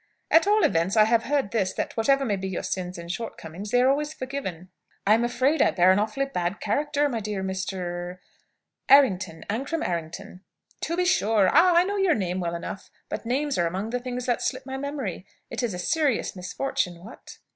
"At all events, I have heard this: that whatever may be your sins and shortcomings, they are always forgiven." "I am afraid I bear an awfully bad character, my dear Mr. " "Errington; Ancram Errington." "To be sure! Ah, I know your name well enough. But names are among the things that slip my memory. It is a serious misfortune, what?"